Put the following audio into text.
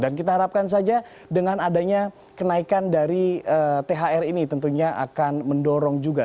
dan kita harapkan saja dengan adanya kenaikan dari thr ini tentunya akan mendorong juga